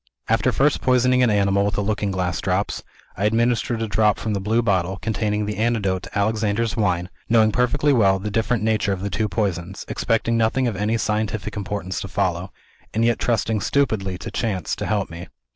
"After first poisoning an animal with the Looking Glass Drops, I administered a dose from the blue bottle, containing the antidote to Alexander's Wine knowing perfectly well the different nature of the two poisons; expecting nothing of any scientific importance to follow; and yet trusting stupidly to chance to help me.